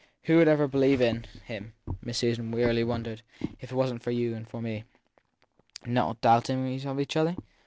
Who would ever believe in him ? Miss Susan wearily wondered. If it wasn t for you and for me Not doubting of each other